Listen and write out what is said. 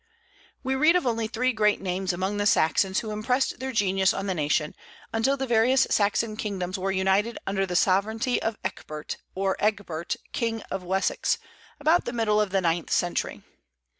We read of only three great names among the Saxons who impressed their genius on the nation, until the various Saxon kingdoms were united under the sovereignty of Ecgberht, or Egbert, king of Wessex, about the middle of the ninth century.